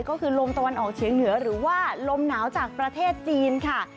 ก็คือลมตะวันออกเฉียงเหนือหรือว่าลมหนาวจากประเทศจีนค่ะ